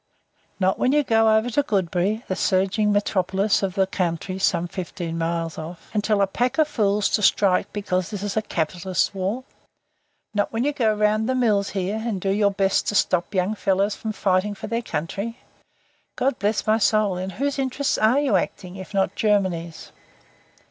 "Not when you go over to Godbury" the surging metropolis of the County some fifteen miles off "and tell a pack of fools to strike because this is a capitalists' war? Not when you go round the mills here, and do your best to stop young fellows from fighting for their country? God bless my soul, in whose interests are you acting, if not Germany's?"